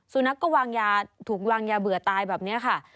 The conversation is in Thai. สุนัขก็วางยาถูกวางยาเบื่อตายแบบนี้ค่ะ